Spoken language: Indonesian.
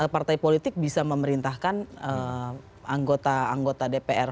partai politik bisa memerintahkan anggota anggota dpr